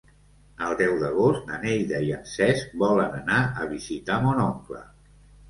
El deu d'agost na Neida i en Cesc volen anar a visitar mon oncle.